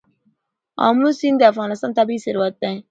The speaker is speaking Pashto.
آمو سیند د افغانستان طبعي ثروت دی.